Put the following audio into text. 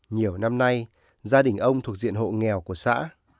nhiều năm nay gia đình ông thuộc diện hộ nghèo của xã